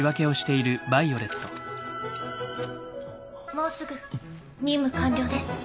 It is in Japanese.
もうすぐ任務完了です。